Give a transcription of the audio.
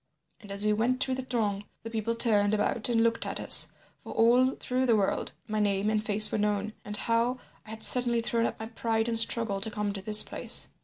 And as we went through the throng the people turned about and looked at us, for all through the world my name and face were known, and how I had suddenly thrown up pride and struggle to come to this place.